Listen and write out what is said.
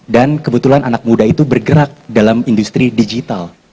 dan kebetulan anak muda itu bergerak dalam industri digital